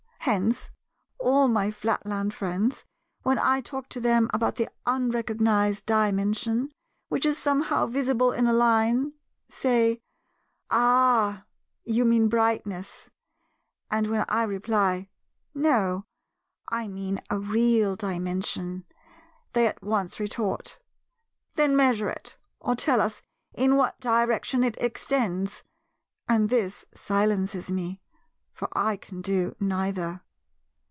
Hence, all my Flatland friends—when I talk to them about the unrecognized Dimension which is somehow visible in a Line—say, 'Ah, you mean brightness': and when I reply, 'No, I mean a real Dimension,' they at once retort, 'Then measure it, or tell us in what direction it extends'; and this silences me, for I can do neither.